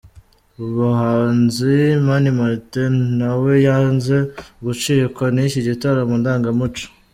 Umuhanzi Mani Martin nawe yanze gucikwa n'iki gitaramo ndangamuco.